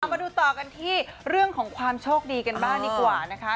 มาดูต่อกันที่เรื่องของความโชคดีกันบ้างดีกว่านะคะ